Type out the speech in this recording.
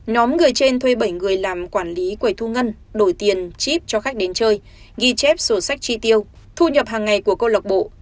nhóm người trên thuê bảy người làm quản lý quầy thu ngân đổi tiền chip cho khách đến chơi ghi chép sổ sách chi tiêu thu nhập hàng ngày của câu lạc bộ